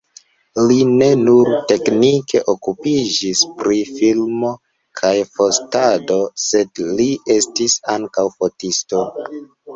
Li ne nur teknike okupiĝis pri filmo kaj fotado, sed li estis ankaŭ fotisto.